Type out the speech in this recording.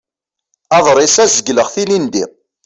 Aḍris-a zegleɣ-t ilindi.